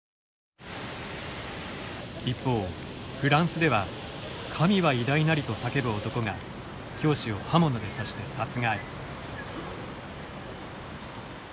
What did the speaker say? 一方、フランスでは「神は偉大なり」と叫ぶ男が教師を刃物で刺して殺害。